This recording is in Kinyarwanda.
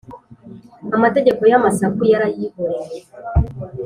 Amategeko y’amasaku yarayihoreye